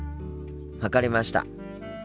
分かりました。